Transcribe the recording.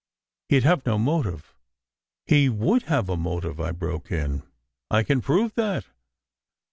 He d have no motive." "He would have a motive," I broke in. "I can prove that.